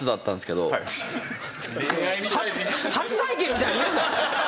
初体験みたいに言うな！